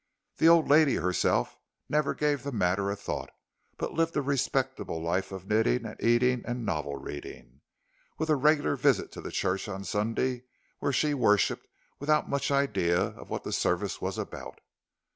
The old lady herself never gave the matter a thought, but lived a respectable life of knitting and eating and novel reading, with a regular visit to church on Sunday where she worshipped without much idea of what the service was about.